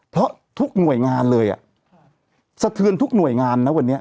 เพราะทุกหน่วยงานเลยสะเทือนทุกหน่วยงานนะวันนี้